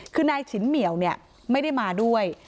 คือนายฉินเหมียวเนี่ยไม่ได้มาด้วย